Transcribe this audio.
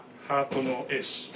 ハートのエース。